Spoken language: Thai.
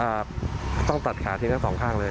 ต้องตัดขาทิ้งทั้งสองข้างเลย